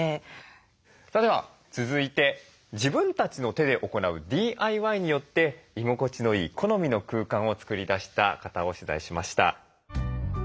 さあでは続いて自分たちの手で行うＤＩＹによって居心地のいい好みの空間を作り出した方を取材しました。